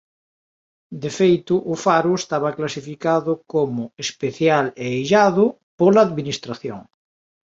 De feito o faro estaba clasificado como "especial e illado" pola administración.